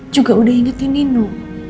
juga udah ingetin nino